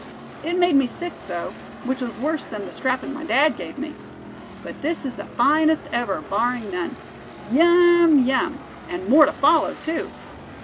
It made me sick though, which was worse than the strappin' my dad gave me. But this is the finest ever, barring none. Yum! yum! and more to follow, too."